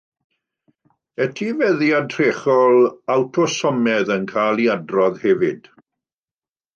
Etifeddiad trechol awtosomaidd yn cael ei adrodd hefyd.